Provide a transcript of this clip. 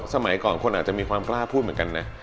สมัยก่อนคนอาจจะมีความกล้าพูดเหมือนกันนะ